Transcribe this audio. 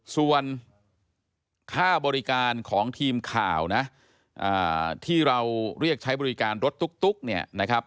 ส่วนค่าบริการของทีมข่าวนะที่เราเรียกใช้บริการรถตุ๊กเนี่ยนะครับ